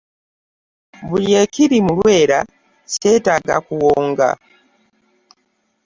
Buli ekiri mu Lwera, kyetaaga kuwonga.